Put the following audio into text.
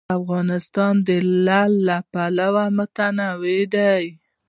افغانستان د لعل له پلوه متنوع دی.